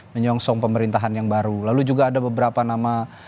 menyongsong pemerintahan yang baru lalu juga ada beberapa nama